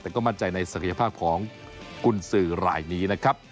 แต่ก็มั่นใจในศักยภาพของกุญสือรายนี้นะครับ